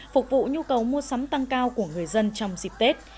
phục vụ nhu cầu mua sắm tăng cao của người dân trong dịp tết